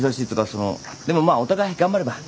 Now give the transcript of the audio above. そのでもまあお互い頑張れば。